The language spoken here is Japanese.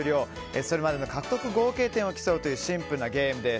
それまでの獲得合計点を競うというシンプルなゲームです。